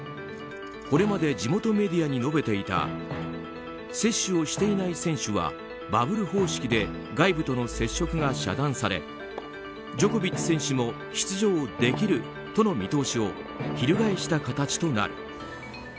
これまで地元メディアに述べていた接種をしていない選手はバブル方式で外部との接触が遮断されジョコビッチ選手も出場できるとの見通しをひるがえした形となる。